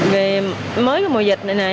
vì mới có mùa dịch này